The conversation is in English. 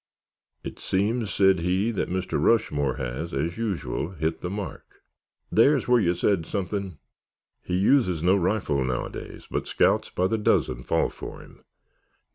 "It seems," said he, "that Mr. Rushmore has, as usual, hit the mark——" "There's where you said something!" "He uses no rifle nowadays, but scouts by the dozen fall for him.